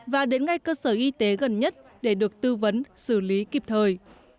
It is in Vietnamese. và đến ngay cơ sở y tế gần nhất để được tư vấn xử lý kịp thời